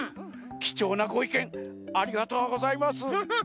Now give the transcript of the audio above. きちょうなごいけんありがとうございます。